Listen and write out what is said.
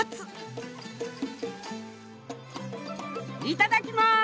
いただきます。